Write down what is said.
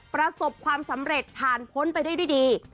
ประสบความสำเร็จผ่านพ้นไปได้ด้วยดี